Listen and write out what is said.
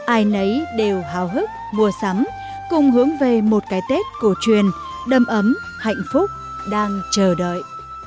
ai nấy đều hào hức mua sắm cùng hướng về một cái tết cổ truyền đâm ấm hạnh phúc đang chờ đợi